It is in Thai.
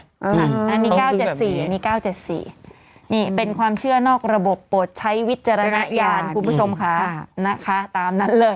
อันนี้๙๗๔นี่เป็นความเชื่อนอกระบบปลดใช้วิจารณญาณคุณผู้ชมค่ะ